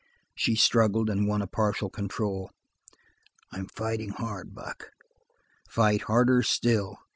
She struggled and won a partial control. "I'm fighting hard, Buck." "Fight harder still.